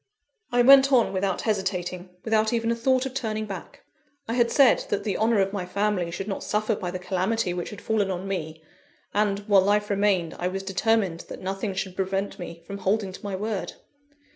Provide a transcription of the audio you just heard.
I went on without hesitating, without even a thought of turning back. I had said that the honour of my family should not suffer by the calamity which had fallen on me; and, while life remained, I was determined that nothing should prevent me from holding to my word.